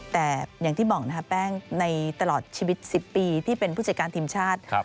แต่อย่างที่บอกนะครับแป้งในตลอดชีวิต๑๐ปีที่เป็นผู้จัดการทีมชาติ